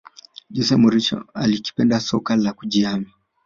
Jose Mourinho akalipenda soka la kujihami